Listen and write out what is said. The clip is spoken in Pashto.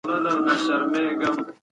انا په ډېرې غوسې سره هغه وواهه.